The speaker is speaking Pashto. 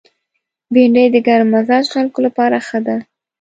بېنډۍ د ګرم مزاج خلکو لپاره ښه ده